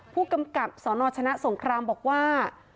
ผู้กำกับสนชนะสงครามบอกว่า